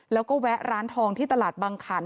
แล้วก็แวะร้านทองที่ตลาดบางขัน